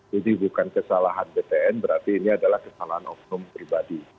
jadi bukan kesalahan ptn berarti ini adalah kesalahan oknum pribadi